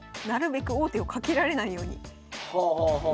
なるべく王手をかけられないように。